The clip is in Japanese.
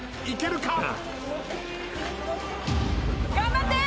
いけるか？